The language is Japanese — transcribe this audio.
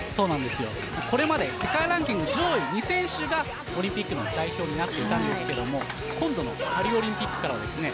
これまで世界ランキング上位２選手がオリンピックの代表になっていたんですけども今度のパリオリンピックからですね